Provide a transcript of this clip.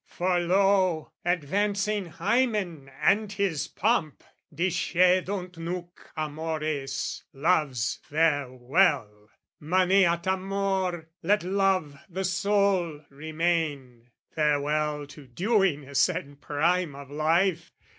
For lo, advancing Hymen and his pomp! Discedunt nunc amores, loves, farewell! Maneat amor, let love, the sole, remain! Farewell to dewiness and prime of life!